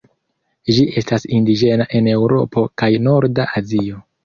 Ĝi estas indiĝena en Eŭropo kaj norda Azio.